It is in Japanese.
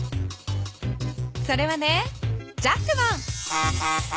それはねジャックマン。